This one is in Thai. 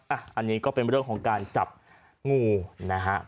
อันนี้ก็เป็นเรื่องของการจับงูนะฮะ